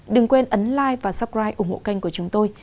đừng quên ấn like và subscribe ủng hộ kênh của chúng tôi